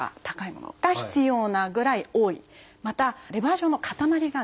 またレバー状の塊が出る。